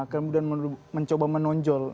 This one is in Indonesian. kemudian mencoba menonjol